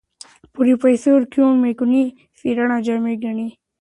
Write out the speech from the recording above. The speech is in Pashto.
پروفیسر کیون میکونوی څېړنه جامع ګڼي.